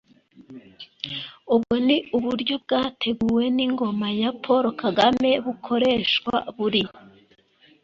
ubwo ni uburyo bwateguwe n'ingoma ya paul kagame bukoreshwa buri